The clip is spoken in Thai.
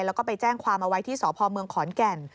แล้วก็ไปแจ้งความเอาไว้ที่สพเมืองขอนแก่น